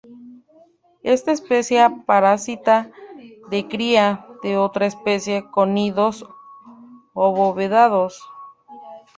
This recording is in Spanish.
Esta especie parásita de cría de otras especies, con nidos abovedados.